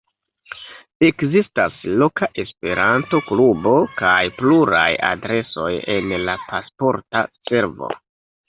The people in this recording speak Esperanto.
Ekzistas loka Esperanto-klubo kaj pluraj adresoj en la Pasporta Servo.